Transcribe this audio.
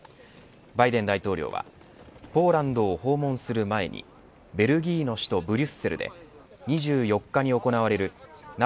バイデン大統領はポーランドを訪問する前にベルギーの首都ブリュッセルで２４日に行われるＮＡＴＯ